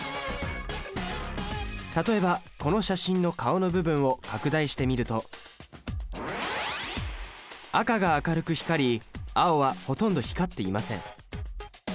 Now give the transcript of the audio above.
例えばこの写真の顔の部分を拡大してみると赤が明るく光り青はほとんど光っていません。